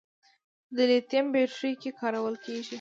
د لیتیم بیټرۍ کې کارول کېږي.